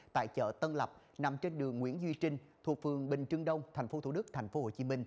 tại chợ tân lập nằm trên đường nguyễn duy trinh thuộc phường bình trưng đông tp thủ đức tp hcm